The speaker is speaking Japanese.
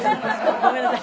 ごめんなさい。